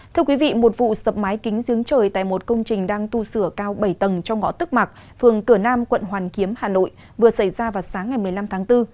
thưa quý vị một vụ sập máy kính giếng trời tại một công trình đang tu sửa cao bảy tầng trong ngõ tức mạc phường cửa nam quận hoàn kiếm hà nội vừa xảy ra vào sáng ngày một mươi năm tháng bốn